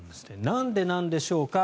なんでなんでしょうか。